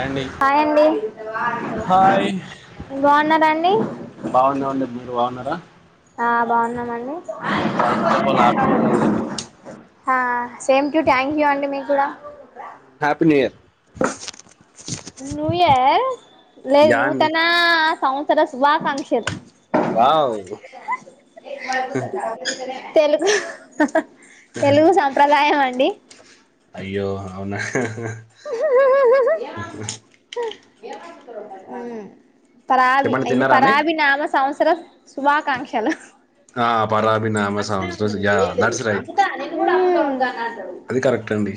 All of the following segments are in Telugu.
అండి హాయిండి హాయ్ బాగున్నారాండి బాగున్నామండి మీరు బాగున్నారా బాగున్నామండి ఫస్ట్ ఆఫ్ ఆల్ హ్యాపీ కాదండి ఆ సేమ్ టు థ్యాంక్ యూ అండి మీ కూడా happy new year new year లేదు యా అండి నుతనా సంవంతర శుభాకాంక్షలు వావ్ తెలుగు తెలుగు సంప్రదాయంఅంట డి అయ్యో అవునా [unintelligible] ఉ పరాభి చెప్పండి అయింది తిన్నారా అండి పరాభి నామ సంస్ శుభాకాంక్షలు ఆ పరాబీ నామ యా దట్స్ రైట్ అంగ అది కరెక్ట్ అండి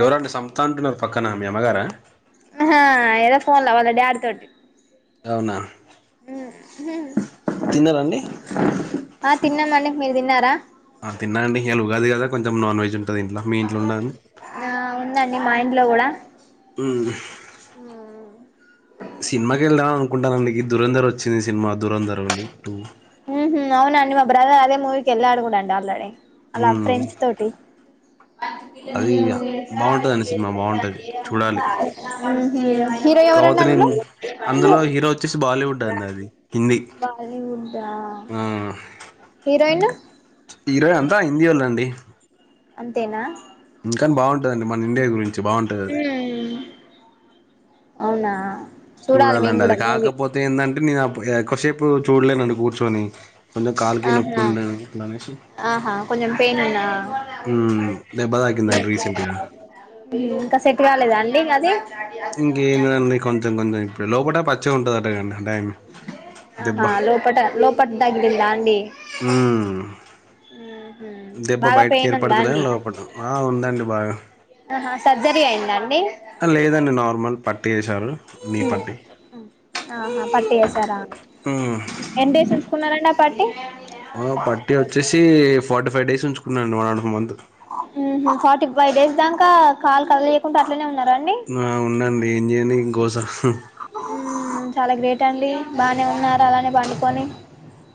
ఎవరండి సంత అంటున్నారు పక్కన మీ అమ్మగారా ఏదో ఫోన్ లో వళ్ళ డి అడుతోటి అవునా [inaudible] తిన్నారండి ఆ తిన్నామండి మీరు తిన్నారా ఆ తిన్నా అండి ఇళ ఉగాది కదా కొంచెం నాన్ వెజ్ ఇంట్లో మీ ఇంట్లో ఉండను ఆ ఉందండి మా ఇంట్లో కూడా అ సినిమాకి వెళ్దా అని అనుకుంటానండి దూరంధర వచ్చింది సినిమా దూరంధర అండి టూ ఉ అవునండి మా బ్రదర్ అదే మూవీ ఎలా అడుకుండండి ఆల్రీ అలా మ్మ్. ఫ్రెండ్స్ తోటి హ అది బాగుంటదండి సినిమా బాగుంటది చూడాలి హిరో ఎవర కాకపోతే అండి అందులో నేను అందులో హీరో వచ్చేసి బాలీవుడ్ అండి అది హిందీ బాలివుడ్ ఆ హీరోయిన్ ఇరవై అంతా హిందీ వాళ్ళ అండి అంతేనా ఇంకాని బాగుంటుదండి మన ఇండియా గురించి మంచి బాగుంటుదిది అవునా చూడాలి మేము చూడాలండి కూడా అది మూవీ కాకపోతే ఏందంటే నేన్ అ కొషేపు చూడ కూర్ ఆహా అట్లా అనేసి ఆహా కొంచెం పెయిన్ ఉన్నా మ్మ్ దెబ్బ తాకిందండి రీసెంట్ గా ఇంకా సెట్ కాలేద అండి అది ఇంకేందండి కొంచెం కొంచెం ఇప్పుడు లోపట పచ్చిగ్ ఉంటదంట కదండి ఆ టైమ్ దెబ్బ ఆహా లోపట లోపట తగిలిందా అండి మ్మ్ ఉహు దెబ్బ బాగా బయటకి పెయిన్ ఉందా ఏర్పడుతులే అండి లోపట ఆ ఉందండి బాగా ఆహా సర్జరీ అయిందా ఆ లేదండి నార్మల్ దన్ హ్మ్ హ్మ్ ఆహా పట్టి వేసారా ఎంత వేసేసుకున్నారండి ఆ పట్టి ఆ పట్టి వచ్చేసి ఫార్టీ ఫైవ్ డేస్ ఉంచుకున్నాండి వన్ అండ్ఫ్ మంత్ హ్మ్ ఫార్టీ ఫైవ్ డేస్ దాకా కాలు కదలియకుండా అట్లనే ఉ ఆ ఉందండి ఏం చేయను ఇంకో సా హ్మ్ చాలా గ్రేట్ పెట్టండి బాగానే ఉన్నార అలానే పనుకొని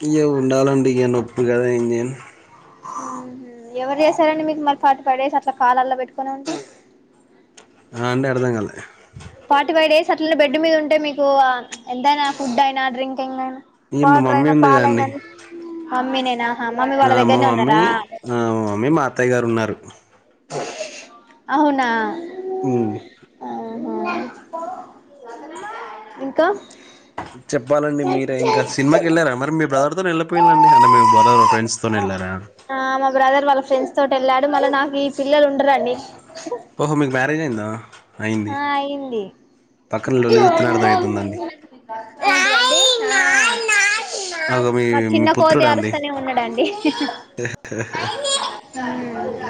ఇక ఉండాలండి ఇక నొప్పి కదా ఏం చేయ్యను హ్మ్ హు ఎవరు చేశారండి మీకు మరి ఫార్టీ ఫైవ్ డేస్ అట్లా కాళ్ళల పెట్టుకుని ఉంటే ఆ అండి అర్ధంకాల ఫార్టీ ఫైవ్ డేస్ అట్లనే బెడ్ మీద ఉంటే మీకు ఆ ప్చ్ ఎంతైనా ఫుడ్ అయినా డ్రింక్ కింగ్ అయినా, ఇక మా వాటర్ మమ్మీ అయినా, పాలయినా, అమ్మినేనా ఆ మా మమ్మీ ఆ మా మమ్మీ మా అత్తయ్య గారు ఉన్నారు అవునా అ ఇంకా చెప్పాలండి మీరే ఇంకా సినిమాకి ఎళ్ళారా మరి మీ బ్రదర్తో వెళ్ళక పోయారండి అంటే మీ బదర్ ఫ్రెండ్స్ తోనే ఎళ్ళారా ఆ మా బ్రదర్ వాళ్ళ ఫ్రెండ్స్ తోటి ఎళ్ళాడు మళ్ళా నాకి ఈ పిల్లలు ఉండరండి ఓహో మీకు మ్యారేజ్ అయిందా అయింది ఆ అయ్యింది పక్కన లొల్లి చూత్తేనే అర్థమయితుందండి ఆ అగో మీ మా మీ చిన్న కోతి పుత్రుడా అండి అరుస్తనే ఉన్నడండి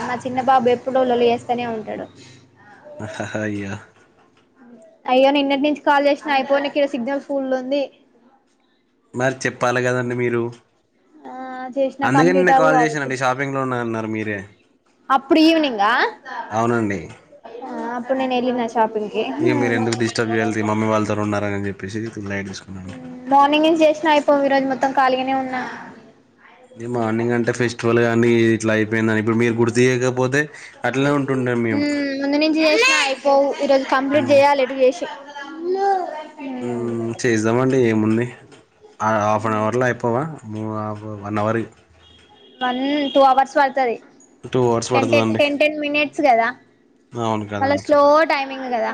మా చిన్న బాబు ఎప్పుడూ లొల్లి చేస్తూనే ఉంటడు హ హ హ అయ్యో అయ్యో నిన్నటి నుంచి కాల్ చేసిన అయిపోనికి ఇక్కడ సిగ్నల్ ఫుల్ ఉంది మరి చెప్పాలి కదండి మీరు ఆ చేసినా అందుకే కంప్లీట్ నిన్న అవ్ కాల్ కావచ్చు చేశానండి షాపింగ్లో ఉన్నా అన్నారు మీరే అప్పుడు ఈవనింగా ఆ ఇప్పుడు నేన్ ఎల్లినా తీ మీరు ఎందుక్ డిస్టర్బ్ చేయాలి తీ మమ్మీ వాళ్ళతో ఉన్నారని చెప్పి చెప్పేసి లైట్ తీసుకున్నాండి హుమ్ మార్నింగ్ ఎమ్ చేసినా అయిపోవ్ ఈరోజు మొత్ మొత్తం కాలిగానే ఉన్నా మార్నింగ్ అంటే ఫెస్టివల్ గా డి ఇట్లా అయిపోయినా ఇప్పుడు మీరు గుర్తు చేయకపోతే అట్లనే ఉంటుండే మేము హుమ్ ముందు నుంచి చేసిన పోవు ఈరోజు కంప్లీట్ మ్, చేయాలి ఎటు చేసి హుమ్ చేస్దామండి ఏముంది ఆ హాఫ్ అన్ అవర్ లో అయిపోవా మేము ఆఫ్ వన్ అవర్ అయ్ వన్ టూ అవర్స్ పడ్తది టూ అవర్స్ టెన్ టెన్ పడుతుందండి టెన్ టెన్ మినిట్స్ గదా అవును మళ్ళ కదండి స్లో టైమింగ్ గదా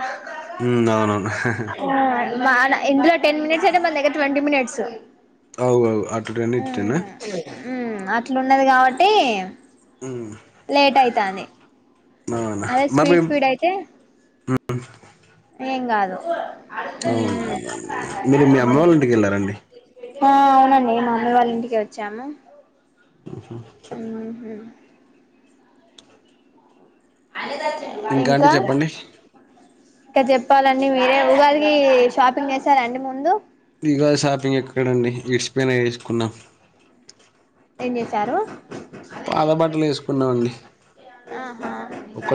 మ్, అవునవును హుమ్ మాన ఇంట్లో టెన్ మినిట్స్ అయితే మన దగ్గర ట్వంటీ మినిట్స్ సై అవ్ అవ్ అటు టెన్ ఇటు టెన్ ఆ ఉన్నది కాబట్టి హుమ్ లేట్ అయితాంది అదే మరి స్పీడ్ మేము స్పీడ్ అయితే ఏం గాదు అవును మీరు మీ అమ్మ వాళ్ళ ఇంటికి వెళ్లారండి ఆ అవునండి మా అమ్మీ వాళ్ళ ఇంటికే వచ్చాము ఉహు మ్మ్ ఇంకా అండి చెప్పండి ఇక చెప్పాలండి మీరే ఉగాది కి షాపింగ్ చేశారండి ముందు ఇంగా షాపింగ్ ఎక్కడండి ఇడ్స్పోయినవి ఏసుకున్నా ఏం చేసారు పాత బట్టలు వేసుకున్నామండి ఆహా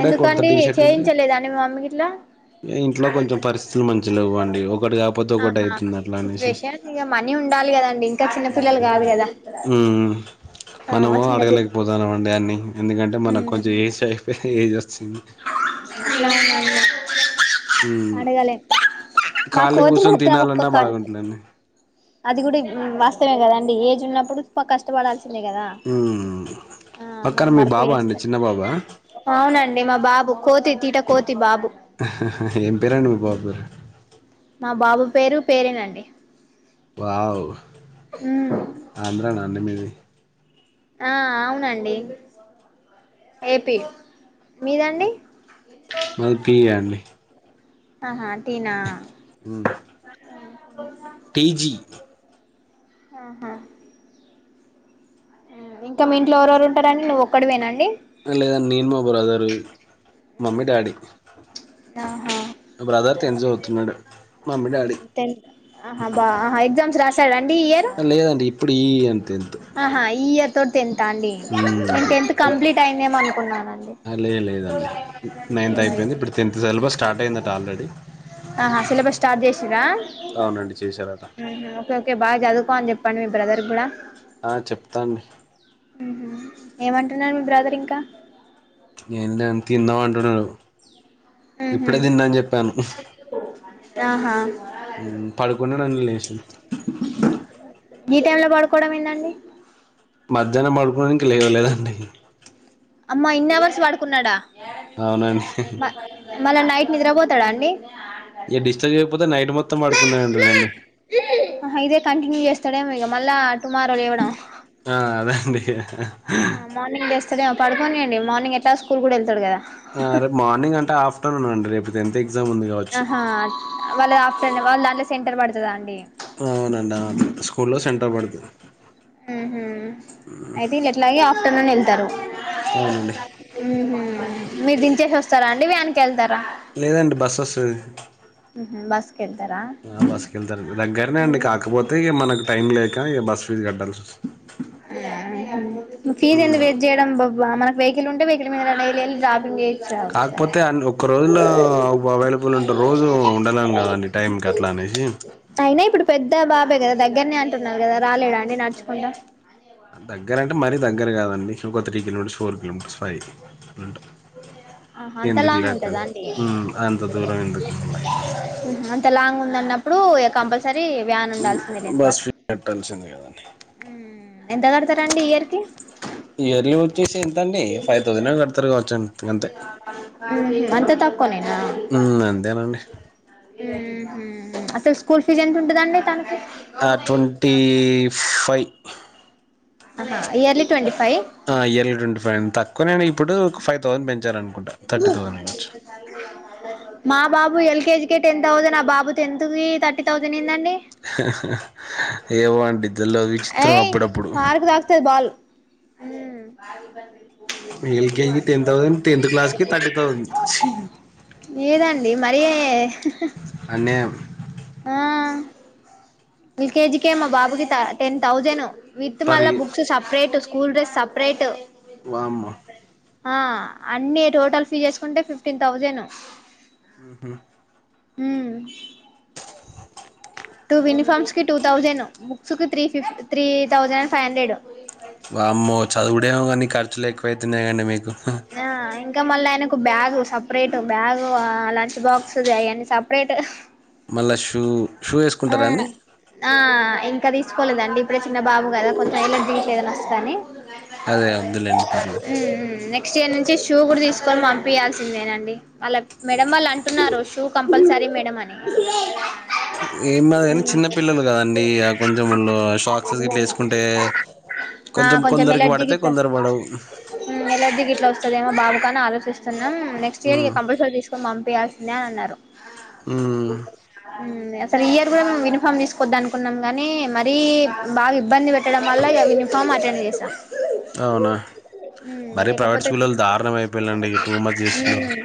ఎందుకండి చేయించలేద అండి మీ మమ్మీ గిట్ల ఇంట్లో కొంచెం పరిస్థితులు మంచి లేవ్వండి ఒకటి కాకపోతే ఒకటి ఆహా అవుతుంది అట్లా అనేసి సిచువేషన్ ఇక మనీ ఉండాలి కదండి ఇంకా చిన్నపిల్లలు కాదు కదా ఉ మనము ఆ చిన్న పిల్ల అడగలేకపోతన్నాం అండి అన్ని ఎందుకంటే మనకు మ్మ్ కొంచెం ఏసే ఏం చేస్ అడగలేం ఉ మా కాలి కోతి కూసొని మాత్రం ఒక్క తినాలన్నా కాడు బాగుంటుదండి అది కూడా వాస్తవమే కదా అండి ఏజ్ ఉన్నప్పుడు కష్టపడాల్సి అంతే కదా మ్మ్ ఆ పక్కన మనం మీ వర్క్ బాబా అండి చేస్తే చిన్న బాబా అవునండి మా బాబు కోతి తీట తి బాబు ఏం పేరండి మీ బాబు పేరు మా బాబు పేరు పేరేనండి వావ్ ఆంధ్రనా అండి మీది ఆ అవునండి ఏపీ మీదండి మాది పీ అండి ఆహా టీనా ఉ కేజీ ఆహా ఇంకా మీ ఇంట్లో ఎవరెవరు ఉంటారని నువ్వు ఒక్కడు వినండి లేదా నేను మా బ్రదరు మమ్మీ డాడీ ఆహా ఆహా బ్రదర్ తెని చదువుతున్నాడు మమ్మీ డాడీ సవన్ లేదండి ఇప్పుడు ఈ అంతే ఎంత ఆహా ఈ ఆ మ్మ్ అట్లా నా లే లేదండి నైన్త్ అయిపోయింది ఇప్పుడు టెన్త్ సిలబస్ అంద స్టార్ట్ అయిందట ఆల్రెడీ అవునండి చేశారట బా బ్రదర్ కూడా ఆ చెప్తాను ఏమంటున్నారు మీ బ్రదర్ ఇంకా ఏందే దెం తిందాం అంటున్నారూ ఇప్పుడే తిన్నా అని చెప్పాను ఆహా పడుకున్నాడా లే లేచిన ఏ టైం లో పడుకోవడం ఏందండి మధ్యాహ్నం పడు కొని ఇంకా లేవలేదండి అమ్మా ఇన్ని అవర్స్ వాడుకున్నాడా అవునండి మ మల్ల నైట్ నిద్రపోతాడా అండి ఇక డిస్టర్బ్ చేయకపోతే నైట్ మొ ఇదే కంటిన్యూ చేస్తాడేమో ఇక మళ్ళా టుమారో లేవ్వడం ఆ అదండి ఆహా మార్నింగ్ లేస్తాడేమో పడుకొనివ్వండి మార్నింగ్ ఎట్లాగో స్కూలు కూడా వెళ్తాడు కదా రేపు మార్నింగ్ అంటే ఆఫ్టర్నూన్ అండి రేపు టెన్త్ ఎగ్ ఆహా వాళ అప్ వాళ్ళ దాంట్లో సెంటర్ పడతదా అండి అవునండి అవును స్కూల్లో సెంటర్ పడుతుంది అయితే ఇల్ ఎట్లాగే ఆఫ్టర్నూన్ వె తరు అవునండి మీరు దించేసి వస్తార అండి వ్యాన్ కి వెళ్తారా లేదండి బస్ వస్తుంది ఉహు బస్ కెళ్తారా బస్సుకి వెళ్తారు దగ్గరనే అండి కాకపోతే ఇగ మనకు టైం లేక ఈ బస్సు ఫీజ కట్టాల్సి వస్తుంది ఫీజ్ ఎందు వెేట్ చేయడం బొక్ మనకు వెహికల్ ఉంటే వెహికల్ మీదడై వెళి జాపింగ్ చెయ్ కాకపోతే అన్ ఒక్క రోజులో అవైలబుల్ ఉంటే రోజు ఉండలేం కదండి టైం కి అట్లా అనేసి వే కదా దగ్గరనే అంటున్నారు కదా రాలేడా అండి నడుచకుండా దగ్గర అంటే మరీ దగ్గర కాదండి ఒక three kilometres four kilometres five ఆ అంత ఎందుకు లాంగ్ ఉంటద లేకని అండి ఉమ్ అంత దూరం ఎందుకు మళ్ళీ అంత లాంగ్ ఉంటు అన్నప్పుడు కంపల్స బస్ ఫీ కట్టాల్సిందే కదా అండి ఎంత కడతారండి ఇయర్ కి ఇయర్లీ వచ్చేసి ఎంతండి ఫైవ్ థౌసండ్ కడతారు కావచ్చుకంతే అంతే తప్ప కొనీనా ఊహు అసలు స్కూల్ ఫీజ్ ఎంత ఉంటుందండి తనకి ఆ ట్వంటీ ఫైవ్ ఆహా ఇయర్లీ ట్వంటీ ఫైవ్ ఆ ఎల్ ట్వంటీ ఫైవ్ అడి తక్కువ నేను ఇప్పుడు ఫైవ్ తోని పెంచారండి [inaudible] [inaudible] మా బాబు ఎల్కేజీకే టెన్ థౌసండ్ ఆ బాబు టెన్త్ కి థర్టీ థౌసండ్ ఏందండి హ హహ ఏవన్ ఇద్దలో విచిత్రం ఏయ్ అప్పుడప్పుడు ఊ LKG ten thousand tenth class కి థర్టీ థౌసండ్ లేదండి మరి అన్యాయం ఎల్కేజకే మా బాబుకి టెన్ థౌజండ్ విత్ పర్ మళ్ల ఇ బుక్స్ సెపరేట్ స్కూల్ సపరేట్ వామ్మో ఆ అన్ని టోటల్ ఫీ చేసుకుంటే ఫిఫ్టీన్ థౌజండ్ హహ ఊ టూ యూనిఫార్మ్స్ కి టూ థౌజండ్ బుక్స్ కి త్రీ ఫిఫ్ three thousand and five hundred వామ్మో చదువుడేమో కానీ ఖర్చులేక నా ఇంకా మా ఆన్లైన్కు బ్యాగు్ సపరేట్ బ్యాగు లంచ్ బాక్స్వని అయ్యని సపరేట్ మల్ల షూ షూ ఆ వేసుకుంటారా అండి ఆ ఇంకాది తీసుకోలేదండి ఇప్పుడే చిన్న బాబు కదా కొంచం ఎల్లేర్జిస్ ఏదన్నా వస్తదని అదే వద్దులెండి నెక్ట్ ఇయర్ నుంచి షూ కూడా తీసుకొని పంపించయాల్సిందేనండి వాళ్ళ మేడం వాళ్ళు అంటున్నారు షూ కం కంపల్సరీ మేడం అని ఏది కానీ చిన్న పిల్లలు కదండి కొంచెం షాక్సెస్ గట్ వేసుకుంటే ఆ కొంచెం కొందరికి ఎలర్జీ పడితే గిట్ల కొందరు వస్తది పడవు ఎలర్జీ గిట్లా వస్తదేమో బాబుకని ఆలోచిస్తున్నాం నెక్స్ట్ ఇయర్ ఉమ్ ఇక కంపల్సరీ తీసుకొని పంపియాల్సిందే అని అన్నారు ఉమ్ అ స ఇయర్ కూడా మేము యూనిఫామ్ తీసుకోద్దా అనుకున్నాం కానీ మరీ బాగా ఇబ్బంది పెట్టడం వల్ల యూనిఫామ్ అటెండ్ చేసాం అవునా మ్ మరీ ప్రైవేట్ లేకపోతే స్కూల్ళ దారుణం అయిపోయిలండి టూ మంత్స్ చేస్తున్నారు మ్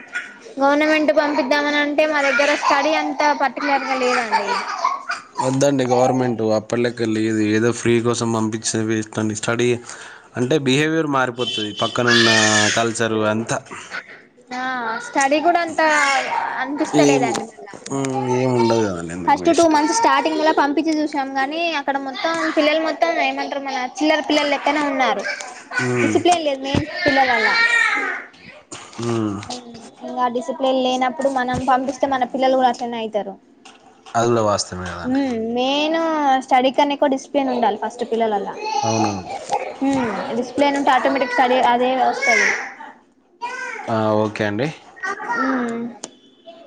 గవర్నమెంట్ పంపిద్దామని అంటే మా దగ్గర స్టడీ అంతా పర్టికులర్ గా లేదండి అ వద్దండి గవర్నమెంటు అప్పల్లకి వెళ్ళదు ఏదో ఫ్రీ కోసం పంపించే వేస్ అండి స్టడీ అంటే బిహేవియర్ మారిపోతుంది పక్కనున్న కల్ చరు అంత ఆహ్ స్టడీ కూడా అంత ఏం అనిపిస్తలేదండి మళ్ల మ్మ్ ఏం ఉండదు కదండి ఎందుకు first two waste months starting లో పంపి. పప్పచ్చి చూసాం గాని అక్కడ మొత్తం పిల్లలు మొత్తం ఏయమంటారు మన చిల్లల పిల్లలు ఎక్కనే ఉన్నారు మ్మ్ డిసిప్లిన్ లేదు మెయిన్ పిల్లలల్ మ్మ్ ఇంగా డిసిప్లేన్ లేనప్పుడు మనం పంపిస్తే మన పిల్లలు కూడా అట్లనే అయితరు అది కూడ వాస్తవమే కదాండి ఆ స్టడీ కన్నా ఎక్కువ డిసిప్లేన్ ఉండాలి ఫస్ట్ పిల్లలన్నాక అవును హ్మ్ డిస్ప్లేన్ ఉంటే ఆటోమేటిక్ చదువు అదే వస్తది ఆ ఓకే అండి ఉమ్ హ్మ్